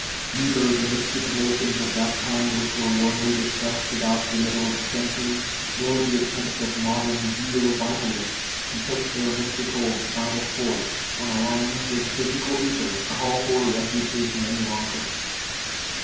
Neither the mystic notions of that kind which 199 THE RIDDLE OF THE UNIVERSE were warmly discussed about the middle of the century, nor the attempts of modern " Neovitalists" to put theii mystical " vital force " on a line with physical ether, call for refutation any longer.